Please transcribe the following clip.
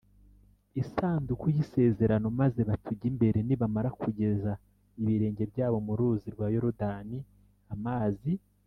isanduku y isezerano maze batujye imbere nibamara kugeza ibirenge byabo mu ruzi rwa yorodani amazi